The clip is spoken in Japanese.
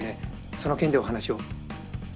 その件でお話を。